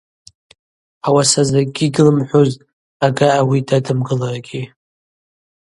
Ауаса закӏгьи гьлымхӏвузтӏ ага ауи дадымгылыргьи.